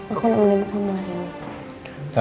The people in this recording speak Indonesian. aku gak mending di kamar